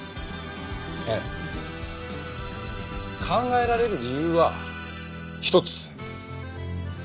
考えられる理由は一つ。